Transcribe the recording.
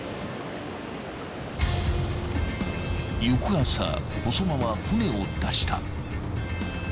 翌朝細間は船を出した。